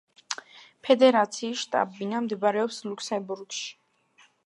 ფედერაციის შტაბ-ბინა მდებარეობს ლუქსემბურგში.